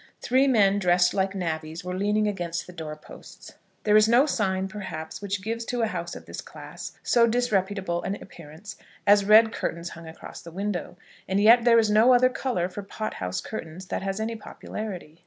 Three men dressed like navvies were leaning against the door posts. There is no sign, perhaps, which gives to a house of this class so disreputable an appearance as red curtains hung across the window; and yet there is no other colour for pot house curtains that has any popularity.